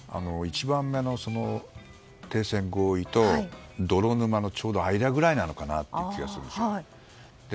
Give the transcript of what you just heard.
１番目の停戦合意と泥沼のちょうど間ぐらいなのかなという気がするんですよ。